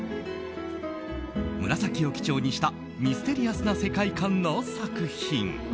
紫を基調にしたミステリアスな世界観の作品。